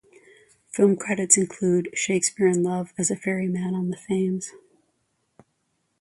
Film credits include "Shakespeare in Love", as a ferryman on the Thames.